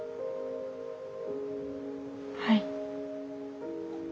はい。